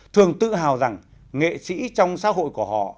thường tự hào rằng nghệ sĩ trong xã hội của họ